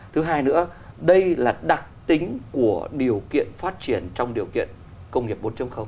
thứ hai nữa đây là đặc tính của điều kiện phát triển trong điều kiện công nghiệp bốn